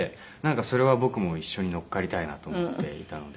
それは僕も一緒に乗っかりたいなと思っていたので。